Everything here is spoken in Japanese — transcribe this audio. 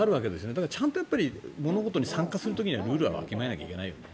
だから、物事に参加するにはルールはわきまえなきゃいけないよね。